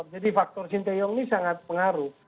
jadi faktor sinteyong ini sangat pengaruh